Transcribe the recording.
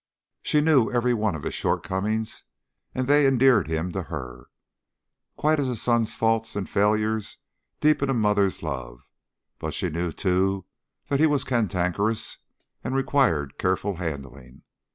She knew every one of his shortcomings, and they endeared him to her, quite as a son's faults and failures deepen a mother's love, but she knew, too, that he was cantankerous and required careful handling.